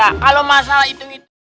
kalau masa itu